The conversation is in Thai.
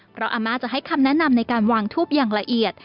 เพราะอาม่าจะให้คำแนะนำในการวางทูปอย่างละเอียด